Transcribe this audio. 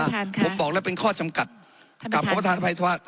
ผมบอกแล้วเป็นข้อจำกัดกับคุณประธานภายศาสตร์